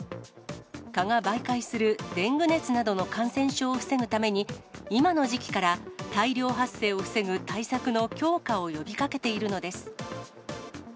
蚊が媒介するデング熱などの感染症を防ぐために、今の時期から大量発生を防ぐ対策の強化を呼びかけているのです。